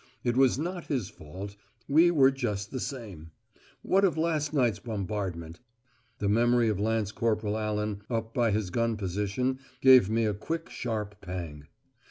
It was not his fault. We were just the same. What of last night's bombardment? (The memory of Lance Corporal Allan up by his gun position gave me a quick sharp pang.)